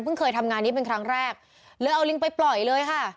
เคยทำงานนี้เป็นครั้งแรกเลยเอาลิงไปปล่อยเลยค่ะ